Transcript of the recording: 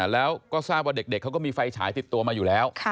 แล้วก็ทราบว่าเด็กเขาก็มีไฟฉายติดตัวมาอยู่แล้ว